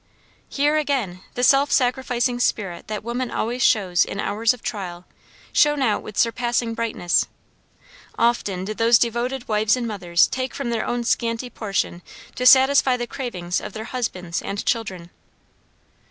Here, again, the self sacrificing spirit that woman always shows in hours of trial, shone out with surpassing brightness. Often did those devoted wives and mothers take from their own scanty portion to satisfy the cravings of their husbands and children.